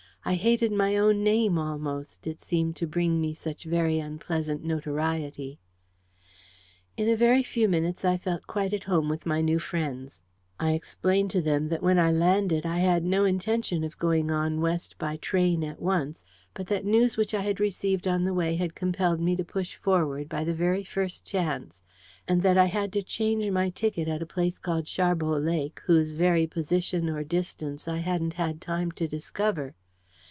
I hated my own name, almost, it seemed to bring me such very unpleasant notoriety. In a very few minutes, I felt quite at home with my new friends. I explained to them that when I landed I had no intention of going on West by train at once, but that news which I received on the way had compelled me to push forward by the very first chance; and that I had to change my ticket at a place called Sharbot Lake, whose very position or distance I hadn't had time to discover.